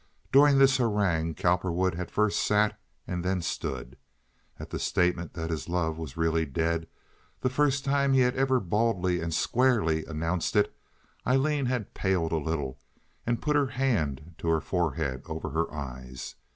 During this harangue Cowperwood had first sat and then stood. At the statement that his love was really dead—the first time he had ever baldly and squarely announced it—Aileen had paled a little and put her hand to her forehead over her eyes.